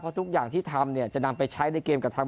ทุกอย่างที่ทำเนี่ยจะนำไปใช้ในเกมกับทาง